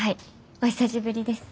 お久しぶりです。